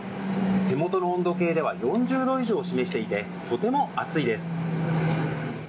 手元の温度計では４０度以上を示していてとても暑いです。